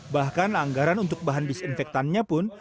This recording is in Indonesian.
bahkan anggaran untuk bahan disinfektannya pun